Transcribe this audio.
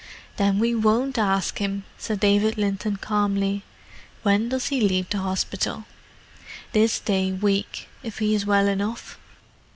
"Then we won't ask him," said David Linton calmly. "When does he leave the hospital?" "This day week, if he is well enough."